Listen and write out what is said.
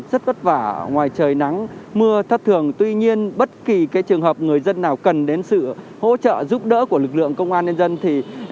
xin chào và hẹn gặp lại